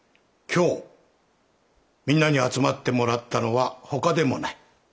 今日みんなに集まってもらったのは他でもない。